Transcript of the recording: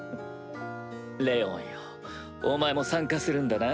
レオンよお前も参加するんだな？